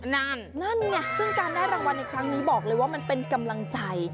นั่นนั่นไงซึ่งการได้รางวัลในครั้งนี้บอกเลยว่ามันเป็นกำลังใจ